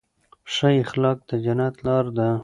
ښه اخلاق د جنت لاره ده.